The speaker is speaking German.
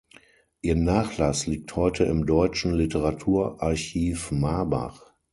Ihr Nachlass liegt heute im Deutschen Literaturarchiv Marbach.